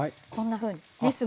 こんなふうにね。